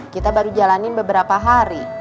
kita baru jalanin beberapa hari